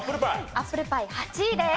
アップルパイ８位です。